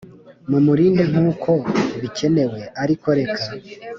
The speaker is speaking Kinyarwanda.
mumurinde nkuko bikenewe, ariko reka